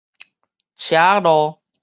車仔路